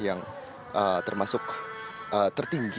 yang termasuk tertinggi